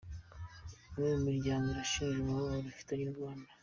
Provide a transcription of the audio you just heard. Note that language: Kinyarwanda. Umwe mumiryango irashima umubano ifitanye n’u Rwanda